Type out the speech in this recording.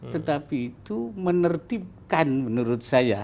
tetapi itu menertibkan menurut saya